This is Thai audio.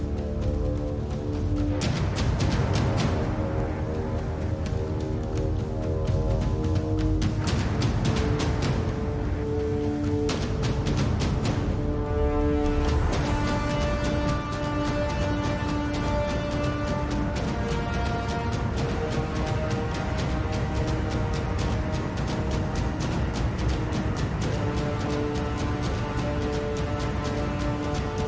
มันจะมีเหตุผลนี้เหตุผลเดียว